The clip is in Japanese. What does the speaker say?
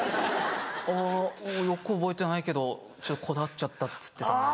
「あぁよく覚えてないけどこだわっちゃったっつってたよ」。